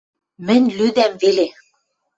Мӹнь лӱдӓм веле.